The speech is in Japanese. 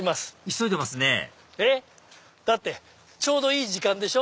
急いでますねだってちょうどいい時間でしょ。